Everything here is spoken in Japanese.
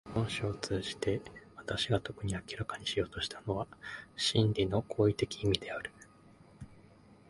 本書を通じて私が特に明らかにしようとしたのは真理の行為的意味である。